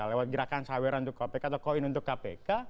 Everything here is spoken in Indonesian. lewat gerakan saweran untuk kpk atau koin untuk kpk